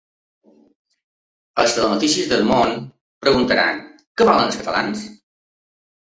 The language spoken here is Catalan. Els telenotícies del món preguntaran: què volen els catalans?